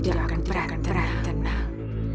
kalau tidak aku tidak akan perahkan tenang